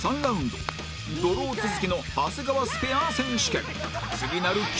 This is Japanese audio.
ドロー続きの長谷川スペア選手権！！